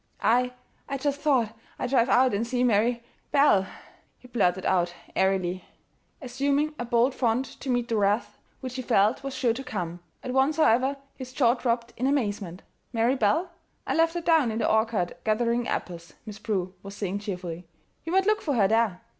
"I I just thought I'd drive out and see Mary Belle," he blurted out airily, assuming a bold front to meet the wrath which he felt was sure to come. At once, however, his jaw dropped in amazement. "Mary Belle? I left her down in the orchard gathering apples," Miss Prue was saying cheerfully. "You might look for her there."